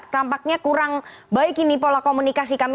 tampaknya kurang baik ini pola komunikasi kami